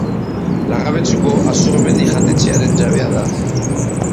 Larrabetzuko Azurmendi jatetxearen jabea da.